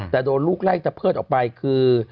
แต่โดนลูกไล่ตะเพิดออกไปคือ